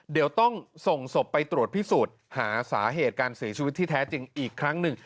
เดี๋ยวต้องส่งศพไปตรวจพิสูจน์หาสาเหตุการเสียชีวิตที่แท้จริงอีกครั้งหนึ่ง